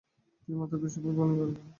তিনি মাত্র বিশ ওভার বোলিং করেছিলেন।